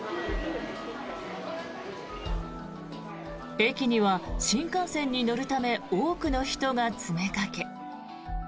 駅には新幹線に乗るため多くの人が詰めかけ。